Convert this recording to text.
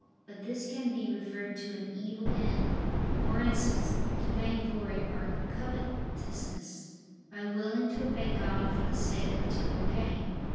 But this can be referred to an evil end, for instance, to vainglory or covetousness, by willing to obey God for the sake of temporal gain.